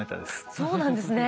そうなんですね。